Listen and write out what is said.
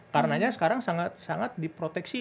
karenanya sekarang sangat diproteksi